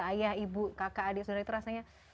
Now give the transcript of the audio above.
ayah ibu kakak adik saudara itu rasanya